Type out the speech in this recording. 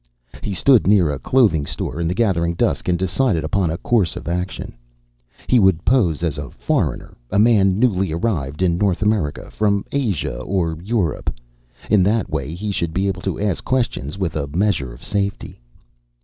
He stood near a clothing store in the gathering dusk and decided upon a course of action. He would pose as a foreigner, a man newly arrived in North America from Asia or Europe. In that way, he should be able to ask questions with a measure of safety.